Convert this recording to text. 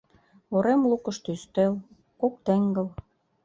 Урем лукышто ӱстел, кок теҥгыл.